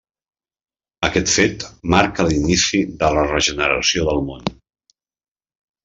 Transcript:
Aquest fet marcà l'inici de la regeneració del món.